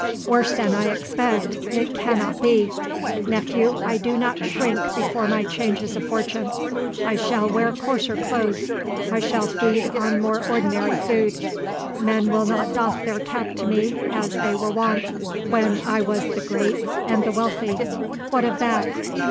"Worse than I expect it cannot be. Nephew, I do not shrink before my changes of fortune. I shall wear coarser clothes,—I shall feed on more ordinary food,—men will not doff their cap to me as they were wont, when I was the great and the wealthy. What of that?